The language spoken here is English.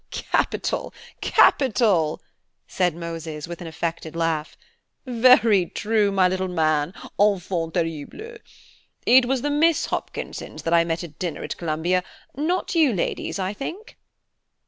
"Capital! capital!" said Moses, with an affected laugh. "Very true, my little man, enfant terrible! It was the Miss Hopkinsons that I met at dinner at Columbia, not you ladies, I think?"